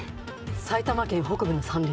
埼玉県北部の山林。